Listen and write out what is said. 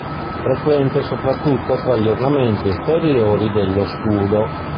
Frequente soprattutto tra gli ornamenti esteriori dello scudo.